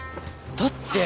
だって。